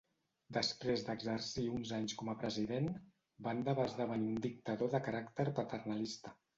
Després d'exercir uns anys com a president, Banda va esdevenir un dictador de caràcter paternalista.